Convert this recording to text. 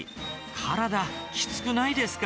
体きつくないですか？